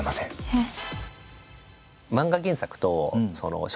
えっ？